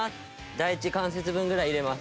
第１関節分ぐらい入れます。